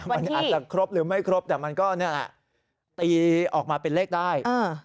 แต่มันอาจจะครบหรือไม่ครบแต่มันก็ตีออกมาเป็นเลขได้